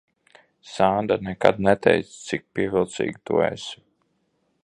Sanda nekad neteica, cik pievilcīga tu esi.